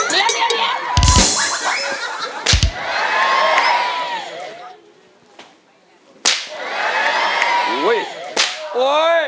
เดี๋ยว